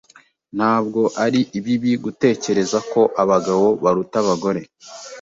Ntabwo ari bibi gutekereza ko abagabo baruta abagore.